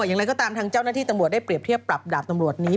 อย่างไรก็ตามทางเจ้าหน้าที่ตำรวจได้เปรียบเทียบปรับดาบตำรวจนี้